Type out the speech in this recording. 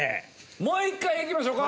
もう一回いきましょか？